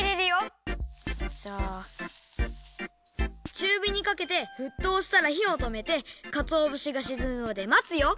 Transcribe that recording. ちゅうびにかけてふっとうしたらひをとめてかつおぶしがしずむまでまつよ！